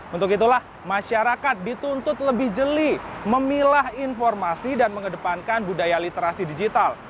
untuk itulah masyarakat dituntut lebih jeli memilah informasi dan mengedepankan budaya literasi digital